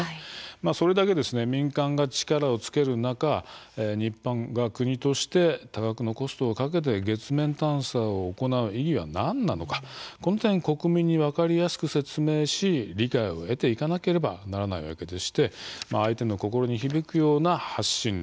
それだけ民間が力をつける中日本が国として多額のコストをかけて月面探査を行う意義は何なのかこの点、国民に分かりやすく説明し理解を得ていかなければならないわけでして相手の心に響くような発信力